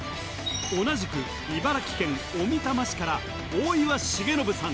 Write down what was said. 同じく茨城県小美玉市から大岩重信さん